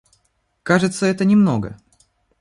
Кажется, это не много.